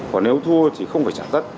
còn nếu thua thì không phải trả tất